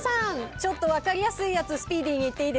ちょっと分かりやすいやつスピーディーにいっていいですか。